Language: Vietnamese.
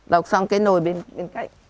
lọc xong cái nồi bên bên cạnh